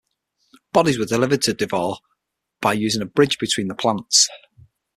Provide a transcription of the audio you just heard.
Bodies were delivered to De Vaux by using a bridge between the plants.